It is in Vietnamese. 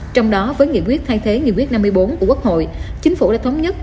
trong đó với nghị quyết thay thế nghị quyết năm mươi bốn của quốc hội chính phủ đã thống nhất